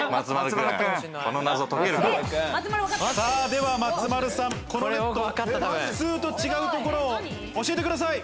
では松丸さんこのネット普通と違うところを教えてください！